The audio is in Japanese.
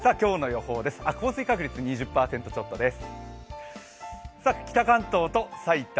降水確率２０％ちょっとです。